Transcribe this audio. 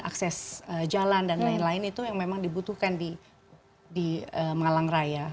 akses jalan dan lain lain itu yang memang dibutuhkan di malang raya